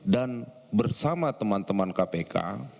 dan bersama teman teman kpk